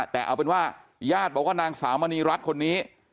แต่เอาเป็นว่าญาติบอกว่านางสาวมณีรัฐคนนี้